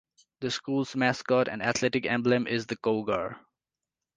The school's mascot and athletic emblem is the Cougar.